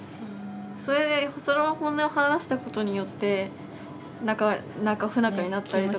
それでその本音を話したことによってなんか不仲になったりとか。